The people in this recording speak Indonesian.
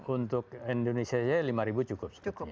untuk indonesia saja lima ribu cukup